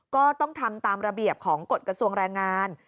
ก็ต้องทำตามระเบียบของกฎกระทรวงแรงงาน